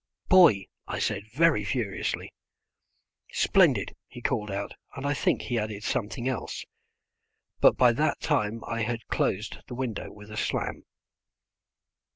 "Boy," I said, very furiously. "Splendid," he called out, and I think he added something else, but by that time I had closed the window with a slam.